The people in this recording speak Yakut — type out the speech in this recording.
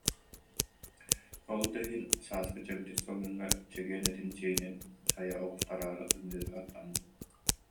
Ол да иһин, сааскы чэбдик салгыҥҥа чэгиэн этинсиинин сайа оҕустараары ыҥыыр аттаммыт